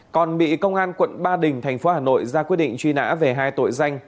còn bị công an quận ba đình thành phố hà nội ra quyết định truy nã về hai tội danh